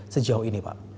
sejauh ini pak